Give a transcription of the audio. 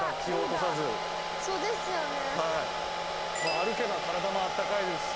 歩けば体も温かいですし。